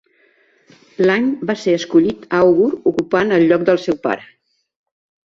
L'any va ser escollit àugur ocupant el lloc del seu pare.